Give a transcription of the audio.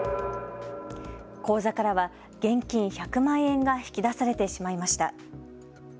口座からは現金１００万円が引き出されてしまいました。